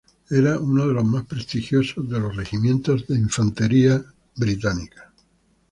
Era uno de los más prestigiosos de los regimientos de infantería inglesa.